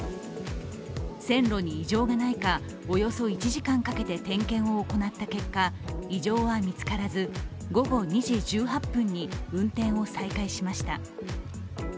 線路に異常がないかおよそ１時間かけて点検を行った結果、異常は見つからず、午後２時１８分に運転を再開しました。